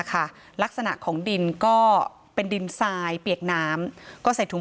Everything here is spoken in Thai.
ค่ะลักษณะของดินก็เป็นดินทรายเปียกน้ำก็ใส่ถุง